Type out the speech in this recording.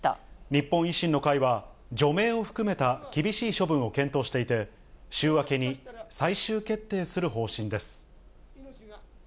日本維新の会は、除名を含めた厳しい処分を検討していて、週明けに最終決定する方針です。